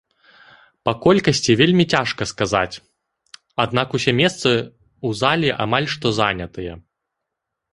Па колькасці вельмі цяжка сказаць, аднак усе месцы ў залі амаль што занятыя.